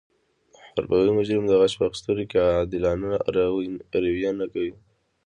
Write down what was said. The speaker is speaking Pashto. حرفوي مجرم د غچ په اخستلو کې عادلانه رویه نه کوي